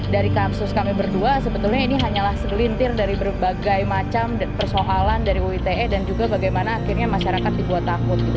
dari kasus kami berdua sebetulnya ini hanyalah segelintir dari berbagai macam persoalan dari uite dan juga bagaimana akhirnya masyarakat dibuat takut gitu